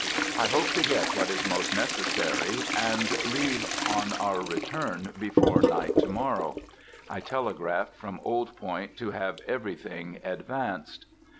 I hope to get what is most necessary, and leave on our return before night to morrow. I telegraphed from Old Point to have everything advanced.